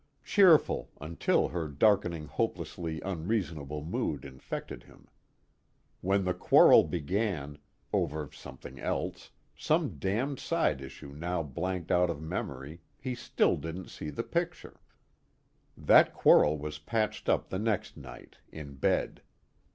Cheerful, until her darkening hopelessly unreasonable mood infected him. When the quarrel began, over something else, some damned side issue now blanked out of memory, he still didn't see the picture. That quarrel was patched up the next night, in bed.